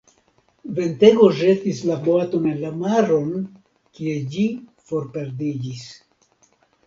Ventego ĵetis la boaton en la maron, kie ĝi forperdiĝis.